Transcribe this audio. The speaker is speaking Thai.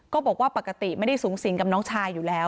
บอกว่าปกติไม่ได้สูงสิงกับน้องชายอยู่แล้ว